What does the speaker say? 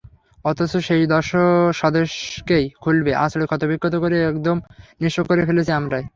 অথচ সেই স্বদেশকেই খুবলে, আঁচড়ে ক্ষতবিক্ষত করে একদম নিঃস্ব করে ফেলছি আমরাই।